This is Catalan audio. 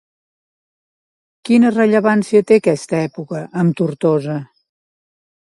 Quina rellevància té aquesta època amb Tortosa?